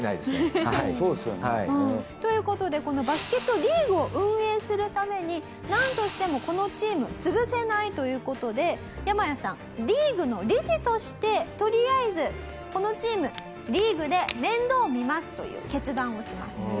そうですよね。という事でこのバスケットリーグを運営するためになんとしてもこのチーム潰せないという事でヤマヤさんリーグの理事としてとりあえずこのチームリーグで面倒を見ますという決断をします。